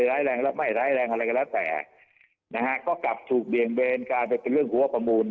ร้ายแรงและไม่ร้ายแรงอะไรก็แล้วแต่นะฮะก็กลับถูกเบี่ยงเบนกลายเป็นเรื่องหัวประมูล